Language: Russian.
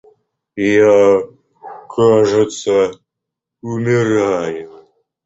Я, кажется, умираю...